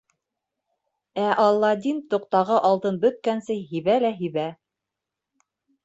Ә Аладдин тоҡтағы алтын бөткәнсе һибә лә һибә.